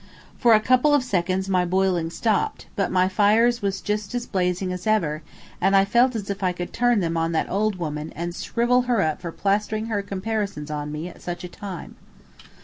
For a couple of seconds my boiling stopped, but my fires was just as blazing as ever, and I felt as if I could turn them on that old woman and shrivel her up for plastering her comparisons on me at such a time.